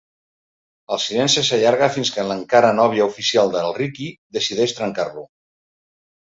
El silenci s'allarga fins que l'encara nòvia oficial del Riqui decideix trencar-lo.